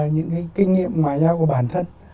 những cái kinh nghiệm ngoại giao của bản thân